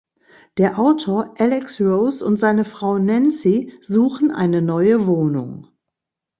Der Autor Alex Rose und seine Frau Nancy suchen eine neue Wohnung.